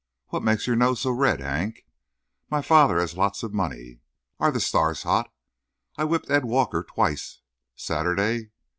What makes your nose so red, Hank? My father has lots of money. Are the stars hot? I whipped Ed Walker twice, Saturday.